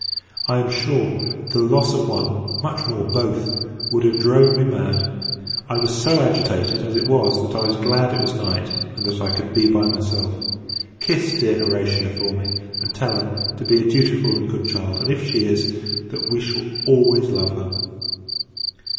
I am sure, the loss of one much more, both would have drove me mad. I was so agitated, as it was, that I was glad it was night, and that I could be by myself. Kiss dear Horatia, for me: and tell her, to be a dutiful and good child; and, if she is, that we shall always love her.